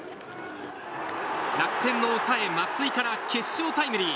楽天の抑え、松井から決勝タイムリー。